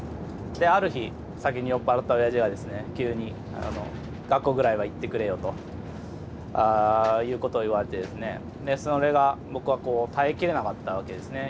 である日酒に酔っ払ったおやじがですね急に「学校ぐらいは行ってくれよ」ということを言われてですねそれが僕は耐えきれなかったわけですね。